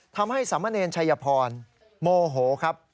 ทำให้สามเณรชัยพรโมโหครับ